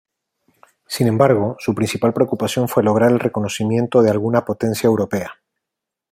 Sin embargo, su principal preocupación fue lograr el reconocimiento de alguna potencia europea.